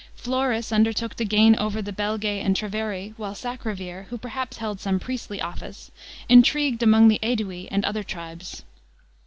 Florus undertook to gain over the Belgse and Treveri while Sacrovir, who perhaps held some priestly office, intrigued among the Mdui and other tribes.